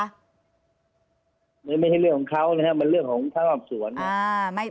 ไม่ใช่เรื่องของเขานะครับมันเรื่องของความส่วน